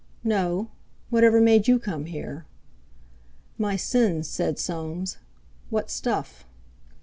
"No. Whatever made you come here?" "My sins," said Soames. "What stuff!"